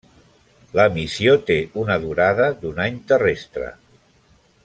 La missió té una durada d'un any terrestre.